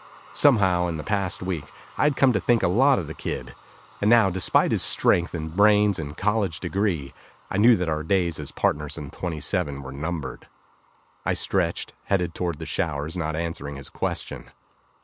Somehow, in the past week, I had come to think a lot of the kid. And now, despite his strength and brains and college degree, I knew that our days as partners in 27 were numbered. I stretched, headed toward the showers, not answering his question.